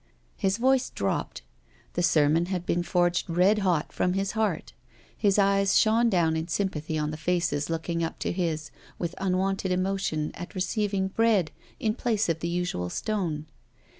His voice dropped. The sermon had been forged red hot from his heart. His eyes shone down in sym pathy on the faces looking up to his with unwonted emotion at receiving bread in place of the usual stone.